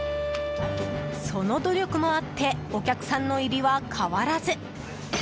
その努力もあってお客さんの入りは変わらず。